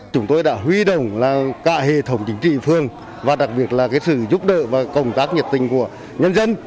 chúng tôi đã huy động cả hệ thống chính trị phương và đặc biệt là sự giúp đỡ và công tác nhiệt tình của nhân dân